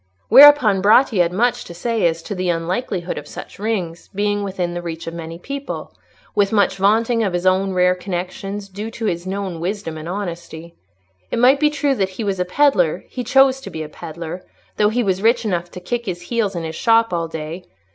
Whereupon Bratti had much to say as to the unlikelihood of such rings being within reach of many people, with much vaunting of his own rare connections, due to his known wisdom, and honesty. It might be true that he was a pedlar—he chose to be a pedlar; though he was rich enough to kick his heels in his shop all day.